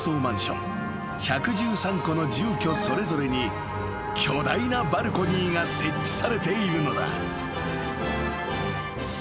マンション１１３戸の住居それぞれに巨大なバルコニーが設置されているのだ］